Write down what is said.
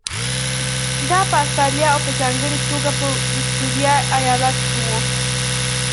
دا په اسټرالیا او په ځانګړې توګه په ویکټوریا ایالت کې وو.